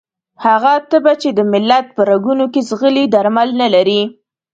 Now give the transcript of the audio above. هغه تبه چې د ملت په رګونو کې ځغلي درمل نه لري.